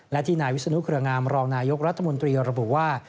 และที่นายวิศนุเครืองามรองนายกรัฐมนตรีระบุว่า